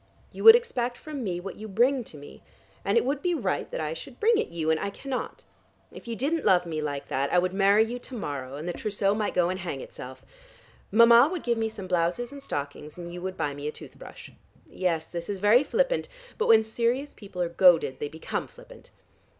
You would expect from me what you bring to me, and it would be right that I should bring it you, and I cannot. If you didn't love me like that, I would marry you to morrow, and the trousseau might go and hang itself. Mama would give me some blouses and stockings, and you would buy me a tooth brush. Yes, this is very flippant, but when serious people are goaded they become flippant.